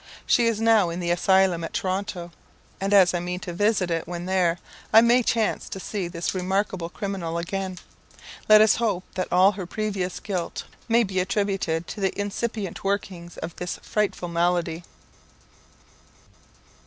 She is now in the asylum at Toronto; and as I mean to visit it when there, I may chance to see this remarkable criminal again. Let us hope that all her previous guilt may be attributed to the incipient workings of this frightful malady.